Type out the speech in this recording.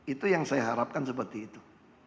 itu yang saya harapkan seperti itu